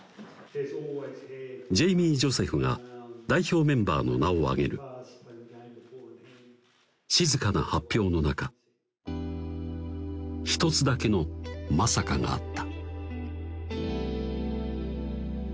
ジェイミー・ジョセフが代表メンバーの名を挙げる静かな発表の中一つだけのまさかがあった